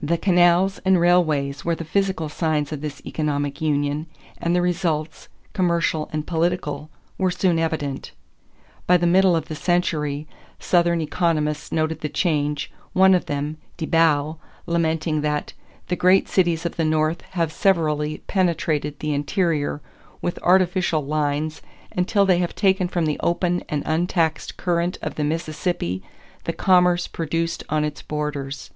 The canals and railways were the physical signs of this economic union, and the results, commercial and political, were soon evident. By the middle of the century, Southern economists noted the change, one of them, De Bow, lamenting that "the great cities of the North have severally penetrated the interior with artificial lines until they have taken from the open and untaxed current of the Mississippi the commerce produced on its borders."